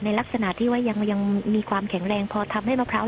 ลักษณะที่ว่ายังมีความแข็งแรงพอทำให้มะพร้าว